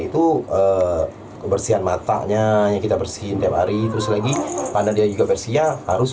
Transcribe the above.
itu kebersihan matanya yang kita bersihin tiap hari terus lagi panen dia juga persia harus